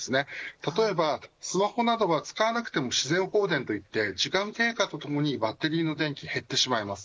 例えば、スマホなどは使わなくても自然放電といって時間経過とともにバッテリーの電気は減ってしまいます。